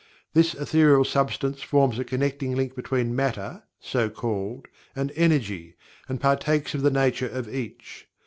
This Ethereal Substance forms a connecting link between Matter (so called) and Energy, and partakes of the nature of each.